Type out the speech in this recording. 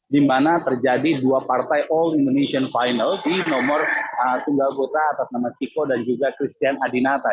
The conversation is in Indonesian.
di mana terjadi dua partai all indonesian final di nomor tunggal putra atas nama chico dan juga christian adinata